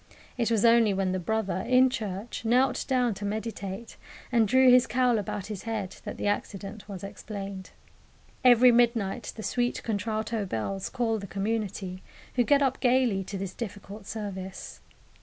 It was only when the brother, in church, knelt down to meditate and drew his cowl about his head that the accident was explained. Every midnight the sweet contralto bells call the community, who get up gaily to this difficult service.